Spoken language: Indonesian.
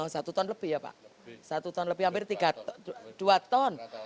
satu ton lebih ya pak satu ton lebih hampir dua ton